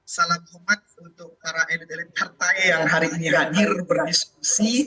salam umat untuk para edukasi partai yang hari ini hadir berdiskusi